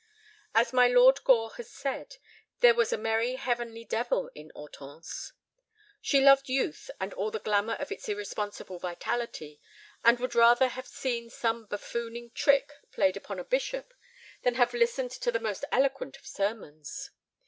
As my Lord Gore had said, "there was a merry heavenly devil in Hortense." She loved youth and all the glamour of its irresponsible vitality, and would rather have seen some buffooning trick played upon a bishop than have listened to the most eloquent of sermons.